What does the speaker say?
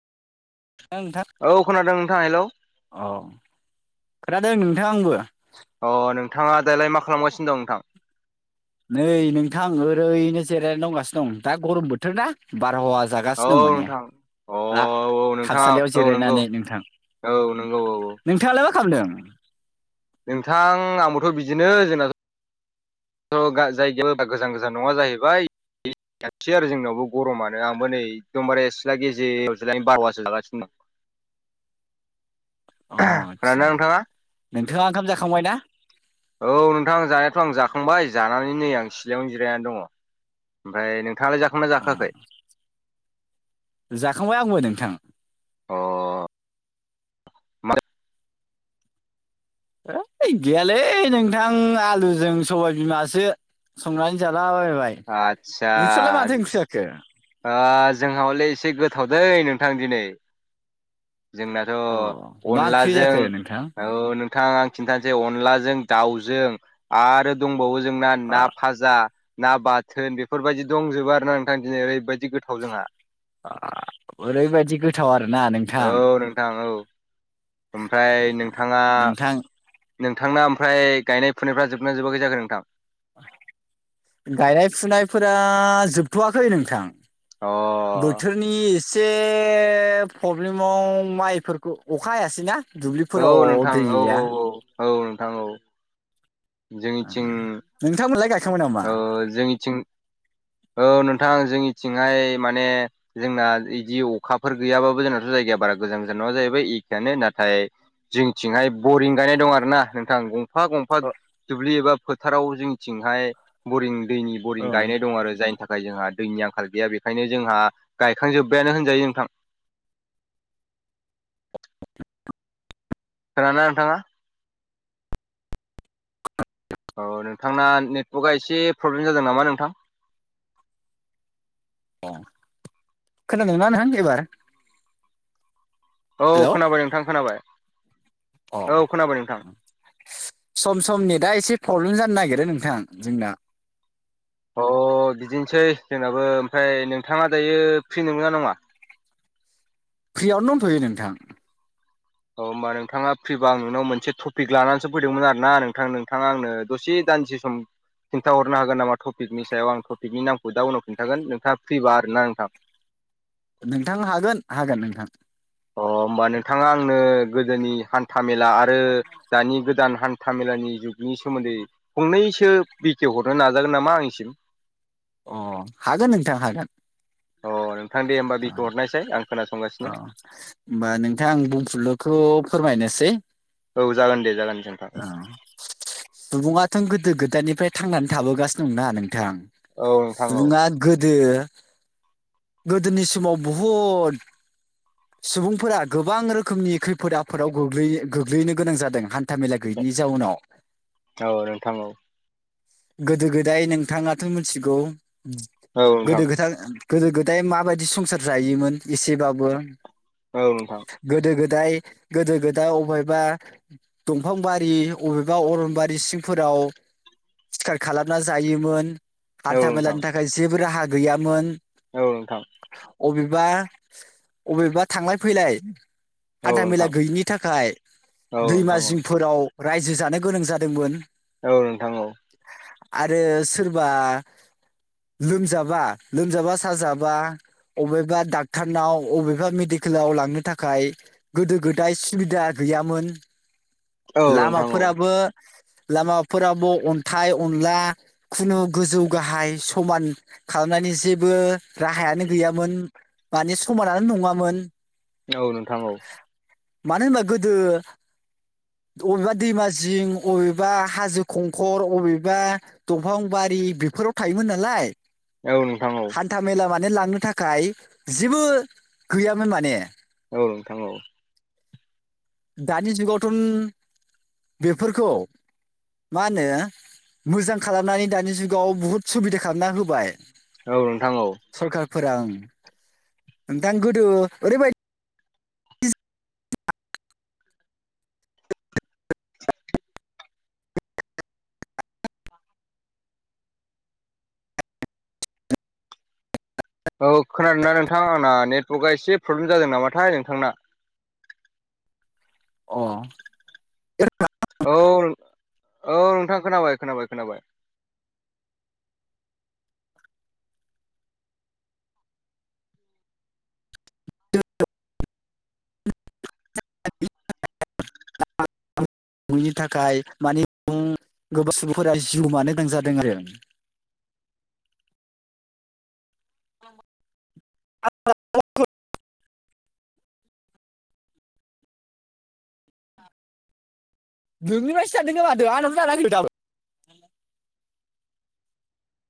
नोंथां औ खोनादों नोंथां हेलौ औ खोथादों नोंथां आंबो अ नोंथाङा दालाय मा खालामगासिनो दं नोंथां? नै नोंथां ओरैनो जिरायनो दंगासिनो दं दा गरम बोथोर ना बारहावा औ जागासिनो दं माने नोंथां औ दा नोंथां खामसालियाव औ नंगौ। जिरायनानै नोंथां औ नंगौ औ औ। नोंथाङालाय मा खालामदों। नोंथां आंबोथ' बिदिनो जोंनाथ' [unintelligible] गोजान गोजान नङा जाहैबाय। जानोसै आरो जोंनावबो गरमानो आंबो नै एखदमबारे सिथ्ला गेजेर [unintelligible] बारहावा जागासिनो दं। [inaudible] अ दं आदसा खोनादोंना नोंथाङा आदसा नोंथाङा ओंखाम जाखांबाय ना? औ नोंथां जानायाथ' आं जाखांबाय जानानै नै आं सिलायावनो जिरायनानै दङ'। ओमफ्राय नोंथाङालाय जाखांना अ जाखाङाखै? जाखांबाय आंबो नोंथां। अ। मा इ गैयालै नोंथां आलुजों सबाय बिमासो। संनानै जालाबायबाय आदसा नोंस्रालाय माथो ओंसो जाखो? ओ जोंहा हलै एसे गोथावदों नोंथां दिनै। जोंनाथ' अ मा ओंख्रि अनलाजों जाखो नोंथां औ नोंथां आं खिनथानोसै अनलाजों दाउजों आरो दंबावो जोंना ना फाजा। ना बाथोन बेफोर बायदि दंजोबो आरोना नोंथां दिनै ओरैबायदि गोथाव जोंहा। ओ ओरैबायदि गोथाव आरोना नोंथां। औ नोंथां औ ओमफ्राय नोंथाङा नोंथां नोंथांना ओमफ्राय गायनाय फुनायफ्रा जोबना जोबाखै जाखो नोंथां? गायनाय -फुनायफोरा जोबथ'वाखै नोंथां। अ। बोथोरनि एसे प्रब्लेमाव माइफोरखौ अखा हायासैना। औ दुब्लिफोराव नोंथां दै औ गैया। औ नोंथां। औ नोंथांमोनलाय गायखां औ जोंनिथिं औ नोंथां जोंनिथिंहाय माने जोंना इदि अखाफोर गैयाबाबो जोंनाथ' जायगाया बारा गोजान गोजान नङा जाहैबाय इखेयानो नाथाय जोंथिंहाय बरिं गायनाय दं आरो ना नोंथां। गंफा गंफा दुब्लि एबा फोथाराव जोंनिथिंहाय बरिं दैनि बरिं ओं गायनाय दं आरो। जायनि थाखाय जोंहा दैनि आंखाल गैया बेखायनो जोंहा गायखांजोब्बायानो होनजायो नोंथां। खोनादों ना नोंथाङा औ नोंथांना नेटवर्कआ एसे प्रब्लेम जादों नामा नोंथां अ खोनादोंना नोंथां एबार औ हेल' खोनाबाय नोंथां खोनाबाय अ औ खोनाबाय नोंथां सम समनि दा एसे प्रब्लेम जानो नागिरो नोंथां जोंना अ बिदिनोसै जोंनाबो ओमफ्राय नोंथाङा दायो फ्रि नोंगोना नङा फ्रियावनो दंथ'यो नोंथां औ होमबा नोंथाङा फ्रिबा आं नोंनाव मोनसे टपिक लानानैसो फैदोंमोन आरो ना नोंथां नोंथाङा आंनो दसे दानदिसे सम खिन्थाहरनो हागोन नामा टपिकनि सायाव आं टपिकनि नामखौ दा उनाव खिन्थागोन नोंथाङा फ्रिबा आरोना नोंथां नोंथां हागोन हागोन नोंथां अ होमबा नोंथाङा आंनो गोदोनि हान्था मेला आरो दानि गोदान हान्था मेलानि जुगनि सोमोन्दै फंनैसो बेखेव हरनो नाजागोन नामा आंनिसिम अ हागोन नोंथां हागोन अ नोंथां दे होमबा बिखौ हरनायसै आं अ खोनासंगासिनो होमबा नोंथां आं बुंफुरलुखौ फोरमायनोसै औ जागोन दे जागायनोसै नोंथां सुबुङा थों गोथों खोथानिफ्राय थांनानै थाबोगासिनो दंना नोंथां औ नोंथां औ सुबुङा गोदो गोदोनि समाव बुहुद सुबुंफोरा गोबां रोखोमनि खैफोद आफोदाव गोग्लै गोग्लैनो गोनां जादों हान था मेला गैयैनि जाउनाव औ नोंथां गोदो गोदाय नोंथाङाथ' मिथिगौ औ नोंथां गोदो गोदा गोदो गोदाय माबायदि संसार जायोमोन एसेबाबो औ नोंथां गोदो गोदाय गोदो गोदा अफायबा दंफां बारि अबेबा अरनबारि सिंफोराव सिखार खालामना जायोमोन औ हान्था नोंथां मेलानि थाखाय जेबो राहा गैयामोन औ नोंथां अबेबा अबेबा थांलाय फैलाय औ हान्था मेला नोंथां गैयिनि थाखाय औ दैमा नोंथां औ जिंफोराव रायजो जानो गोनां जादोंमोन औ नोंथां औ आरो सोरबा लोमजाबा लोमजाबा साजा बा अबेबा डाक्टरनाव अबेबा मेडिकेलाव लांनो थाखाय गोदो गोदाय सुबिदा गैयामोन औ नोंथां औ लामाफोराबो लामाफोरावबो अन्थाइ अनला खुनु गोजौ गाहाय समान खालामनायनि जेबो राहायानो गैयामोन माने समानानो नङामोन औ नोंथां औ मानो होनबा गोदो अबेबा दैमा जिं अबेबा हाजो खंखर अबेबा दंफां बारि बेफोराव थायोमोन नालाय औ नोंथां औ हान्था मेला माने लांनो थाखाय जेबो गैयामोन माने औ नोंथां औ दानि जुगावथ' बेफोरखौ मा होनो मोजां खालामनानै दानि जुगाव बुहुद सुबिदा खालामना होबाय औ नोंथां औ सरखारफोरा नोंथां गोदो ओरैबायदि [inaudible] औ खोनादोंना नोंथां आंना नेटवर्कआ एसे प्रब्लेम जादों नामाथाय नोंथांना अ औ औ नोंथां खोनाबाय खोनाबाय खोनाबाय नि थाखाय मानि गोबां सुबुंफोरा जिउ गोमानो गोनां जादों आरो [unintelligible] नोंनिफ्रायसो दानदों ना मादों आंनाथ दानाखिथ दाबो